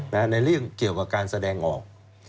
ในเรื่องเกี่ยวกับการแสดงออก